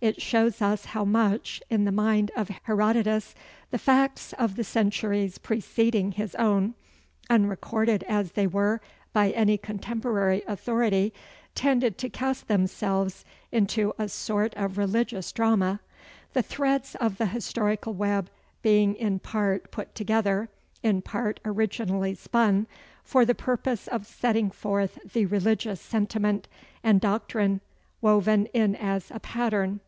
It shows us how much, in the mind of Herodotus, the facts of the centuries preceding his own, unrecorded as they were by any contemporary authority, tended to cast themselves into a sort of religious drama; the threads of the historical web being in part put together, in part originally spun, for the purpose of setting forth the religious sentiment and doctrine woven in as a pattern.